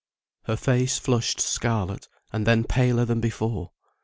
Her face flushed scarlet, and then paler than before.